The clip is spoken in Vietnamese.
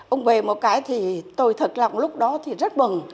ông về một cái thì tôi thật lòng lúc đó thì rất mừng